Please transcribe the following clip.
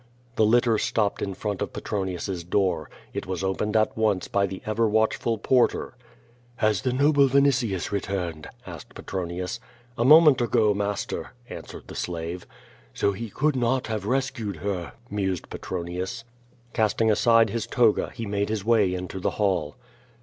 The litter stopped in front of Petronius's door. It was opened at once by the ever watchful porter. "Has the noble Vinitius returned?" asked Petronius. "A moment ago, master," answered the slave. "So he could not have rescued her," mused Petronius. Casting aside his toga he made his way into the hall.